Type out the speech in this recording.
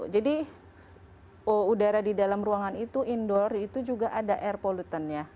jadi udara di dalam ruangan itu indoor itu juga ada air pollutantnya